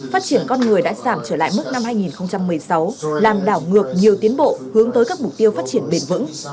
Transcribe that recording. phát triển con người đã giảm trở lại mức năm hai nghìn một mươi sáu làm đảo ngược nhiều tiến bộ hướng tới các mục tiêu phát triển bền vững